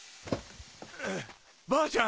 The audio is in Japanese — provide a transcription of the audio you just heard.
うっばあちゃん！